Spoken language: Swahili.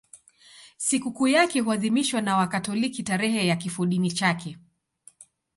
Sikukuu yake huadhimishwa na Wakatoliki tarehe ya kifodini chake.